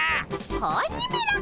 子鬼めら！